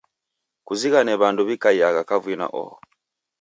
Kuzighane w'andu wi'kaiagha kavui na oho